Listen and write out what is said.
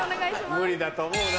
無理だと思うな。